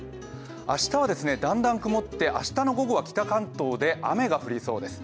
明日はだんだん曇って明日の午後は北関東で雨が降りそうです。